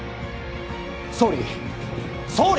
総理総理！